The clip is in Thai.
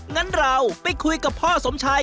งั้นเราไปคุยกับพ่อสมชาย